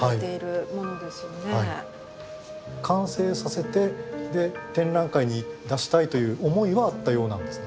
完成させて展覧会に出したいという思いはあったようなんですね。